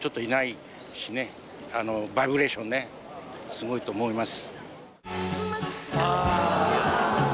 すごいと思います。